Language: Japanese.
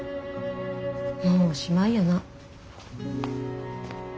もうおしまいやな。